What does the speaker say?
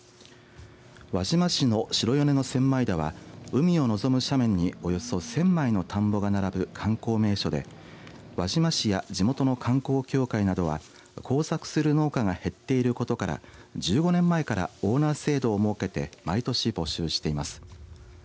輪島市の白米の千枚田は海を望む斜面におよそ１０００枚の田んぼが並ぶ観光名所で輪島市や地元の観光協会などは耕作する農家が減っていることから１５年前からオーナー制度を設けて毎年、募集しています。